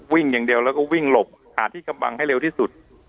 วิ่งอย่างเดียวแล้วก็วิ่งหลบหาที่กำบังให้เร็วที่สุด